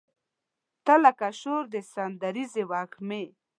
تۀ لکه شور د سندریزې وږمې